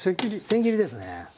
せん切りですね。